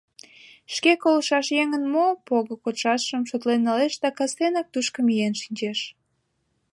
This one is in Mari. Шке колышаш еҥын мо пого кодшашым шотлен налеш да кастенак тушко миен шинчеш.